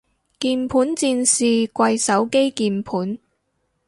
鍵盤戰士跪手機鍵盤